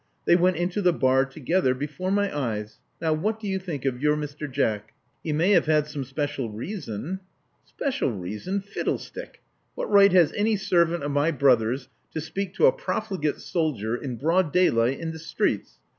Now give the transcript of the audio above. They went into the bar together before my eyes. Now, what do you think of your Mr. Jack?" He may have had some special reason "Special reason! Fiddlestick! What right has any servant of my brother's to speak to a profligate soldier in broad daylight in the streets?